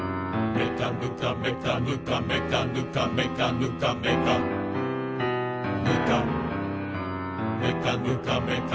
「めかぬかめかぬかめかぬかめかぬかめかぬか」